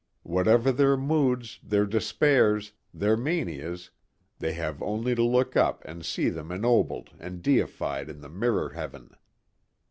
Whatever their moods, their despairs, their manias they have only to look up and see them ennobled and deified in the mirror heaven.